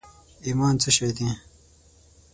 ایمان څه شي دي؟